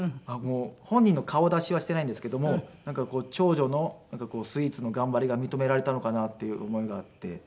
本人の顔出しはしていないんですけどもなんか長女のスイーツの頑張りが認められたのかなっていう思いがあって。